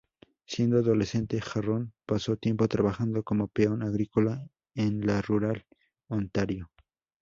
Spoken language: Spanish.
Siendo adolescente, Harron pasó tiempo trabajando como peón agrícola en la rural Ontario.